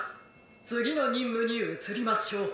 つぎのにんむにうつりましょう」。